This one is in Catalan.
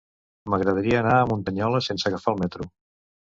M'agradaria anar a Muntanyola sense agafar el metro.